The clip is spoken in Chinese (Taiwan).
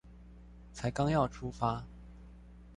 才剛要出發